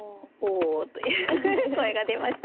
「お」という声が出ましたが。